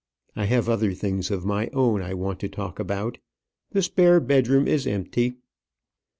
I have other things of my own I want to talk about. The spare bedroom is empty."